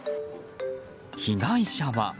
被害者は。